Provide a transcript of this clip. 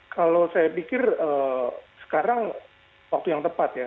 kalau saya pikir sekarang waktu yang tepat ya